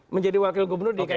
menjadi wakil gubernur di kai jatah